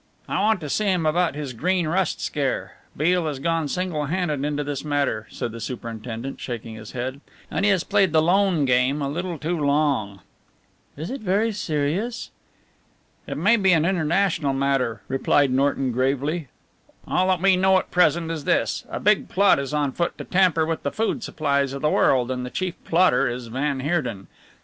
"I want to see him about his Green Rust scare Beale has gone single handed into this matter," said the superintendent, shaking his head, "and he has played the lone game a little too long." "Is it very serious?" "It may be an international matter," replied McNorton gravely, "all that we know at present is this. A big plot is on foot to tamper with the food supplies of the world and the chief plotter is van Heerden.